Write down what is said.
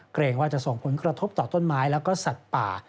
เกรงว่าจะส่งผลกระทบต่อต้นไม้แล้วก็สัตว์ป่า